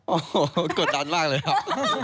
โอ้โหกดดันมากเลยครับ